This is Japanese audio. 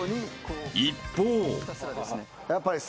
［一方］